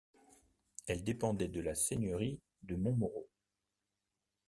Elle dépendait de la seigneurie de Montmoreau.